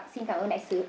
xin cảm ơn đại sứ